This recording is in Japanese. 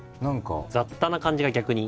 雑多な感じが逆に。